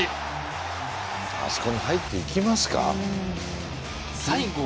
あそこに入っていきますか。